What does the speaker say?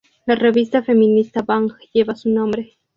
La revista feminista Bang lleva su nombre.